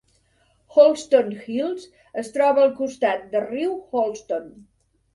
Holston Hills es troba al costat de riu Holston.